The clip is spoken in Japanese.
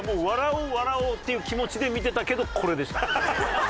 笑おう笑おうっていう気持ちで見てたけどこれでした。